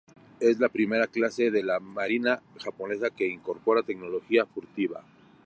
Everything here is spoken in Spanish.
Es la primera clase de la marina japonesa que incorpora tecnología furtiva.